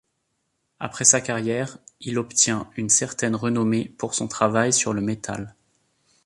Après sa carrière, il obtient une certaine renommée pour son travail sur le métal.